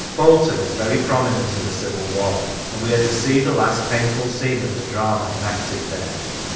Bolton is very prominent in the Civil War, and we are to see the last painful scene of the drama enacted there.